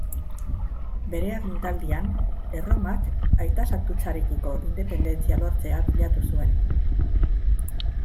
Bere agintaldian Erromak aitasantutzarekiko independentzia lortzea bilatu zuen.